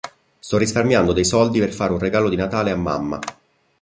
Sto risparmiando dei soldi per fare un regalo di natale a mamma.